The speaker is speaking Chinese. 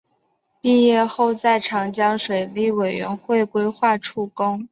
毕业后在长江水利委员会规划处工。